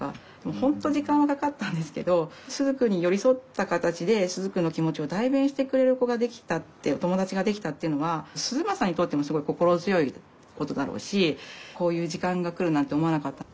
本当時間はかかったんですけどすずくんに寄り添った形ですずくんの気持ちを代弁してくれる子ができたってお友達ができたっていうのは涼将にとってもすごい心強いことだろうしこういう時間が来るなんて思わなかった。